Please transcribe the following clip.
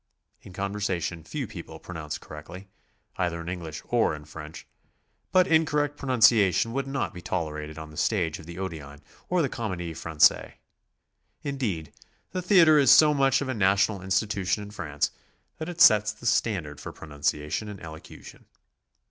In conver sation few people pronounce correctly, either in English or in French, but incorrect pronunciation would not be tol erated on the stage lof the Odeon or the Comedie Francaise; SOMEWHAT LITERARY. 241 A indeed, the theatre is so much of a national institution in France that it sets the standard for pronunciation and elocu tion.